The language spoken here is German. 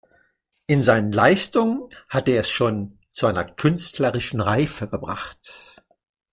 In seinen Leistungen hat er es schon… zu einer künstlerischen Reife gebracht“.